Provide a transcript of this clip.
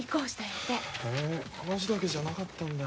へえ話だけじゃなかったんだ。